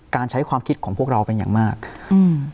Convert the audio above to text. ใช้ความคิดของพวกเราเป็นอย่างมากอืม